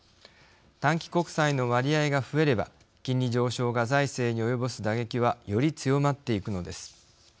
短期国債の割合が増えれば金利上昇が財政に及ぼす打撃はより強まっていくのです。